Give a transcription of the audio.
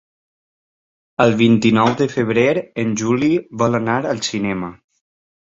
El vint-i-nou de febrer en Juli vol anar al cinema.